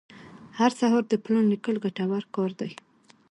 هر سهار د پلان لیکل ګټور کار دی.